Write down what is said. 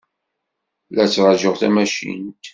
La ttṛajuɣ tamacint.